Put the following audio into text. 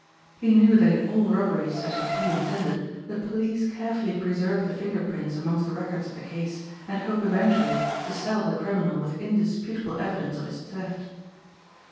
He knew that in all robberies such as he intended the police carefully preserve the finger prints amongst the records of the case and hope eventually to saddle the criminal with indisputable evidence of his theft.